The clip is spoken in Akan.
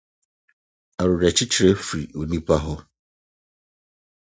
awerɛkyekye fi onipa hɔ